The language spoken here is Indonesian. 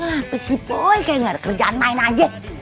ngapain sih poi kayak ga ada kerjaan lain aja